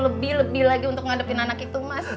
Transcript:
lebih lebih lagi untuk menghadapi anak itu mas